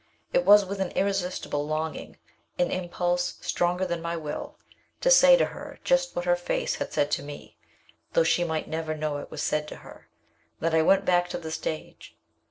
It was with an irresistible longing, an impulse stronger than my will, to say to her just what her face had said to me, though she might never know it was said to her that I went back to the stage.